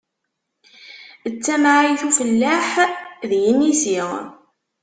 D tamɛayt n ufellaḥ d yinisi.